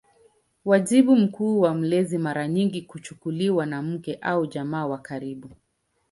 Wajibu mkuu wa mlezi mara nyingi kuchukuliwa na mke au jamaa wa karibu.